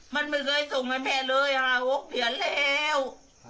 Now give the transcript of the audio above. มันไม่เคยส่งให้แม่เลย๕๖เดือนแล้ว